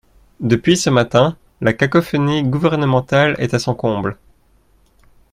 Depuis ce matin, la cacophonie gouvernementale est à son comble.